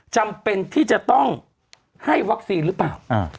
จำเป็นที่จะต้องให้วัคซีนหรือเปล่า